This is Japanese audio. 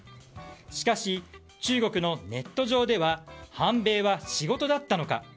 しかし、中国のネット上では反米は仕事だったのか。